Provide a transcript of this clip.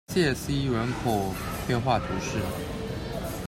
谢西人口变化图示